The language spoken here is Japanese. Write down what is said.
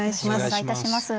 お願いいたします。